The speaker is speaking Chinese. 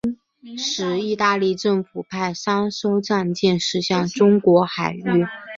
同时意大利政府派三艘战舰驶进中国海域。